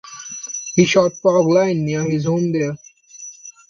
He shot "Fog Line" near his home there.